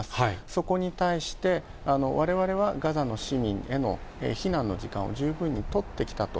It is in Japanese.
そこに対して、われわれはガザの市民への避難の時間を十分に取ってきたと。